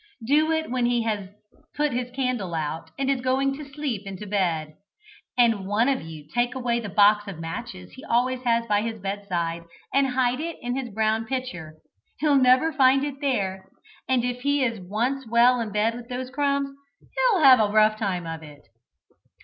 Do it just when he has put his candle out, and is going to step into bed, and one of you take away the box of matches he always has by his bedside, and hide it in his brown pitcher. He'll never find it there, and if he is once well in bed with those crumbs, he'll have a rough time of it.